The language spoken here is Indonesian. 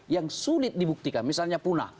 yang sulit dibuktikan misalnya punah